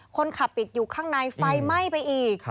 คนขับติดอยู่ข้างในไฟไหม้ไปอีก